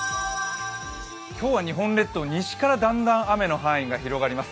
今日は日本列島、だんだん西から雨の範囲が広がります。